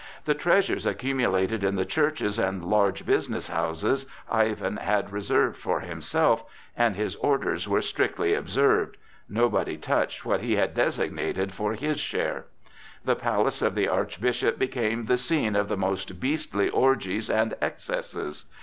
The treasures accumulated in the churches and large business houses Ivan had reserved for himself, and his orders were strictly observed; nobody touched what he had designated for his share. The palace of the Archbishop became the scene of the most beastly orgies and excesses.